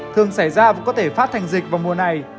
thường xảy ra và có thể phát thành dịch vào mùa này